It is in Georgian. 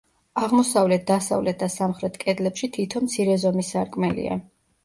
აღმოსავლეთ, დასავლეთ და სამხრეთ კედლებში თითო მცირე ზომის სარკმელია.